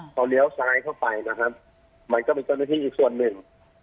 พอเลี้ยวซ้ายเข้าไปนะครับมันก็มีเจ้าหน้าที่อีกส่วนหนึ่ง